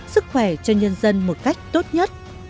sức khỏe cho nhân dân một cách tốt nhất